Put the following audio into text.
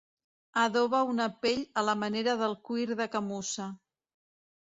Adoba una pell a la manera del cuir de camussa.